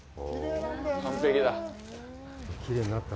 完璧だ。